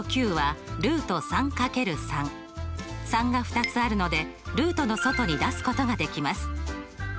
３が２つあるのでルートの外に出すことができます。